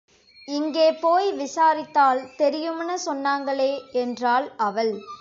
இங்கே போய் விசாரித்தால் தெரியும்னு சொன்னாங்களே என்றாள் அவள்.